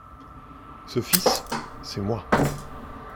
Ce fils, c’est moi.